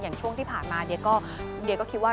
อย่างช่วงที่ผ่านมาเดี๋ยวก็คิดว่า